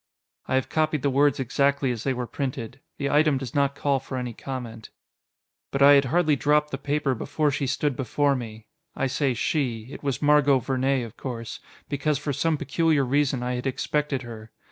I have copied the words exactly as they were printed. The item does not call for any comment. But I had hardly dropped the paper before she stood before me. I say "she" it was Margot Vernee, of course because for some peculiar reason I had expected her.